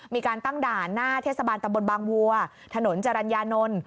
มีการตั้งด่านหน้าเทศบาลตำบลบางวัวถนนจรรยานนท์